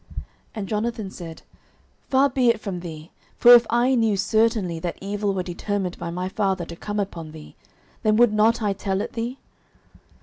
09:020:009 And Jonathan said, Far be it from thee: for if I knew certainly that evil were determined by my father to come upon thee, then would not I tell it thee?